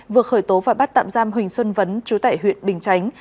vừa khởi tố và bắt tạm giam huỳnh xuân vấn chú tại huyện bình chánh